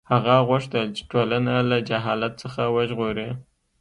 هغه غوښتل چې ټولنه له جهالت څخه وژغوري.